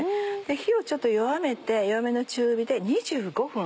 火をちょっと弱めて弱めの中火で２５分。